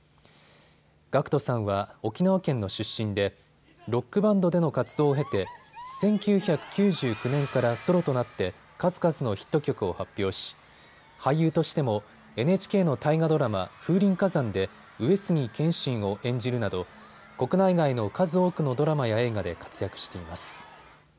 ＧＡＣＫＴさんは沖縄県の出身でロックバンドでの活動を経て１９９９年からソロとなって数々のヒット曲を発表し俳優としてもＮＨＫの大河ドラマ、風林火山で上杉謙信を演じるなど国内外の数多くのドラマや映画で活躍しています。